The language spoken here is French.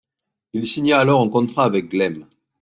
Il signa alors un contrat avec Glem.